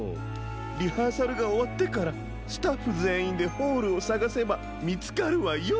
リハーサルがおわってからスタッフぜんいんでホールをさがせばみつかるわよ。